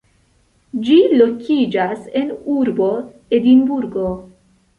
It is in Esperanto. Ĝi lokiĝas en urbo Edinburgo.